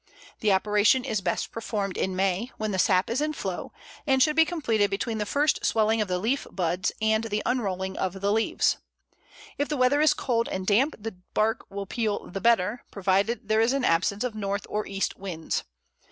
The operation is best performed in May, when the sap is in flow, and should be completed between the first swelling of the leaf buds and the unrolling of the leaves. If the weather is cold and damp the bark will peel the better, provided there is an absence of north or east winds.